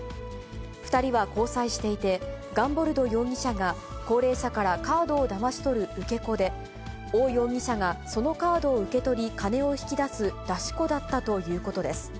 ２人は交際していて、ガンボルド容疑者が高齢者からカードをだまし取る受け子で、王容疑者がそのカードを受け取り、金を引き出す出し子だったということです。